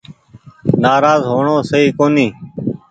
نآراز هو ڻو سئي ڪونيٚ ۔